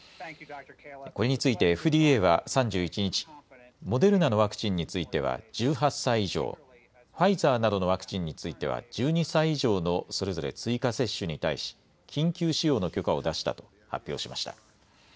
これについてＦＤＡは３１日、モデルナのワクチンについては１８歳以上、ファイザーなどのワクチンについては１２歳以上のそれぞれ追加接種に対し緊急使用の許可を出したと発表しました。